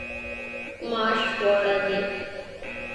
ماش واړه دي.